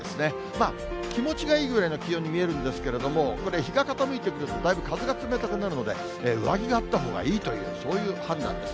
まあ、気持ちがいいぐらいの気温に見えるんですけれども、これ、日が傾いてくると、だいぶ風が冷たくなるので、上着があったほうがいいという、そういう判断です。